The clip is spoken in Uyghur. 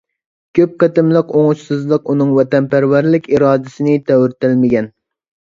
كۆپ قېتىملىق ئوڭۇشسىزلىق ئۇنىڭ ۋەتەنپەرۋەرلىك ئىرادىسىنى تەۋرىتەلمىگەن.